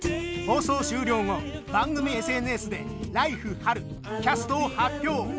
放送終了後番組ＳＮＳで「ＬＩＦＥ！春」キャストを発表。